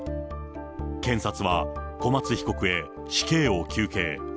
検察は、小松被告へ死刑を求刑。